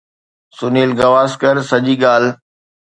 سنيل گواسڪر سڄي ڳالهه